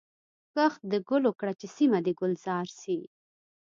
کښت د ګلو کړه چي سیمه دي ګلزار سي